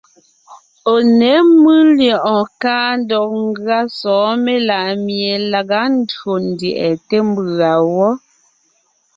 Ɔ̀ ně mʉ́ lyɛ̌ʼɔɔn káa ndɔg ngʉa sɔ̌ɔn melaʼmie laga ndÿò ndyɛʼɛ té mbʉ̀a wɔ́.